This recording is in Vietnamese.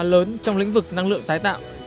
đột pha lớn trong lĩnh vực năng lượng tái tạo